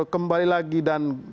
kembali lagi dan